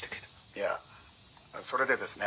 「いやそれでですね